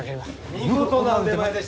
見事な腕前でした！